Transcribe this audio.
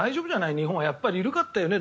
日本はやっぱり緩かったよねで